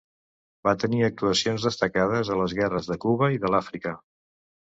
Va tenir actuacions destacades a les guerres de Cuba i de l'Àfrica.